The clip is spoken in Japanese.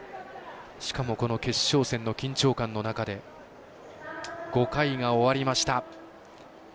しかもこの決勝戦の緊張感の中で５回が終わりました。